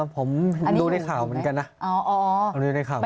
ผมดูในข่าวเหมือนกันนะ